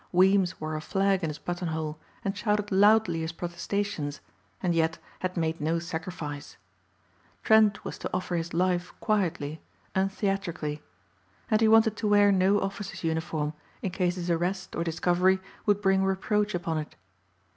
Weems wore a flag in his buttonhole and shouted loudly his protestations and yet had made no sacrifice. Trent was to offer his life quietly, untheatrically. And he wanted to wear no officer's uniform in case his arrest or discovery would bring reproach upon it.